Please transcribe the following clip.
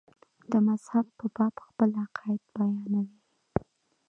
د مذهب په باب خپل عقاید بیانوي.